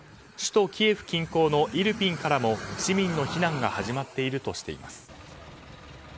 首都キエフ近郊のイルピンからも市民の避難が始まっているとしています。